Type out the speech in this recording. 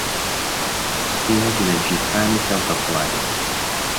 سکەیەک لە گیرفانی کەوتە خوارێ.